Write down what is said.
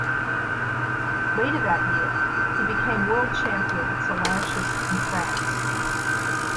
Later that year he became world champion at Sallanches, in France.